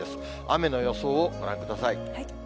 雨の予想をご覧ください。